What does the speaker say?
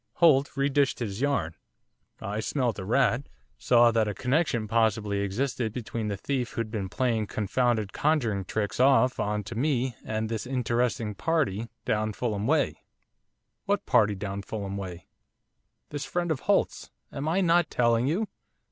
Holt re dished his yarn I smelt a rat saw that a connection possibly existed between the thief who'd been playing confounded conjuring tricks off on to me and this interesting party down Fulham way ' 'What party down Fulham way?' 'This friend of Holt's am I not telling you?